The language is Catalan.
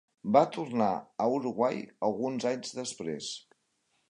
Va tornar a Uruguay alguns anys després.